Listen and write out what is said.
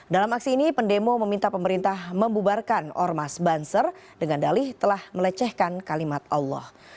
dalam aksi ini pendemo meminta pemerintah membubarkan ormas banser dengan dalih telah melecehkan kalimat allah